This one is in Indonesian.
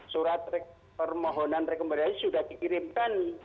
surat permohonan rekomendasi sudah dikirimkan